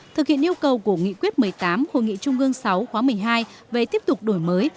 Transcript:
thực hiện yêu cầu của nghị quyết một mươi tám hội nghị trung ương sáu khóa một mươi hai về tiếp tục đổi mới